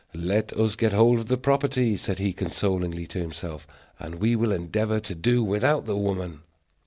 "Let us get hold of the property," said he, consolingly, to himself, "and we will endeavor to do without the woman."